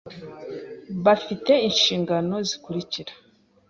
bafi te inshingano zikurikira: